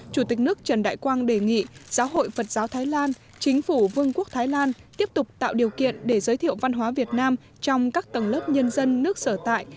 chủ tịch nước trần đại quang đề nghị giáo hội phật giáo thái lan chính phủ vương quốc thái lan tiếp tục tạo điều kiện để giới thiệu văn hóa việt nam trong các tầng lớp nhân dân nước sở tại